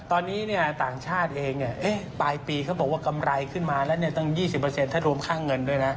ตอนนี้ต่างชาติเองปลายปีเขาบอกว่ากำไรขึ้นมาแล้วตั้ง๒๐ถ้ารวมค่าเงินด้วยนะ